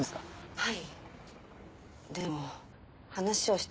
はい。